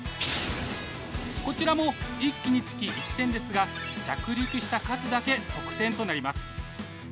こちらも１機につき１点ですが着陸した数だけ得点となります。